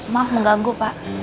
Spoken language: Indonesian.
maaf mengganggu pa